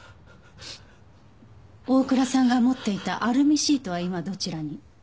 大倉さんが持っていたアルミシートは今どちらに？